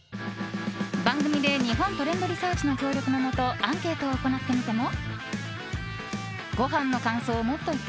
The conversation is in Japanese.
番組で日本トレンドリサーチの協力のもとアンケートを行ってみても。